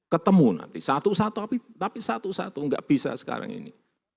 ketemu nanti satu satu tapi satu satu nggak bisa sekarang ini